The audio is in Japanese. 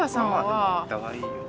お互いよ